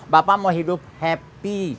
bapak mau hidup happy